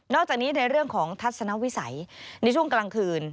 จากนี้ในเรื่องของทัศนวิสัยในช่วงกลางคืน